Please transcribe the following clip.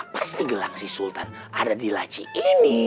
pasti gelang si sultan ada di laci ini